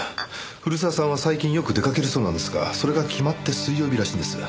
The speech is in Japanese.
古澤さんは最近よく出掛けるそうなんですがそれが決まって水曜日らしいんです。